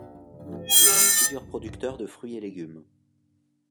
Plusieurs producteurs de fruits et légumes.